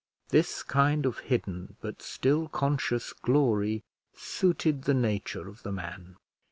This kind of hidden but still conscious glory suited the nature of the man.